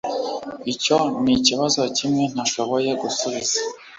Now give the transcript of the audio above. Icyo nikibazo kimwe ntashoboye gusubiza